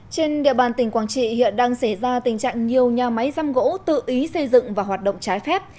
trên địa bàn tỉnh quảng trị hiện đang xảy ra tình trạng nhiều nhà máy giam gỗ tự ý xây dựng và hoạt động trái phép